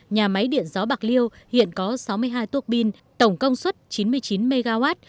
nhà máy điện gió bạc liêu hiện có sáu mươi hai tuốc bin tổng công suất chín mươi chín mw